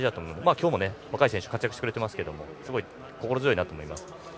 今日も若い選手が活躍していますがすごい心強いなと思います。